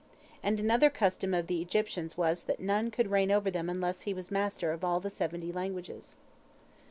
And another custom of the Egyptians was that none could reign over them unless he was master of all the seventy languages.